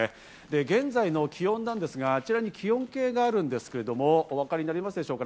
現在の気温なんですが、あちらに気温計があるんですけれども、お分かりになりますでしょうか？